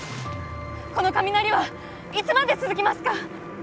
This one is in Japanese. この雷はいつまで続きますか？